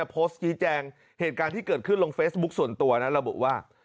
โพสต์ชี้แจงเหตุการณ์ที่เกิดขึ้นลงเฟซบุ๊คส่วนตัวนะระบุว่า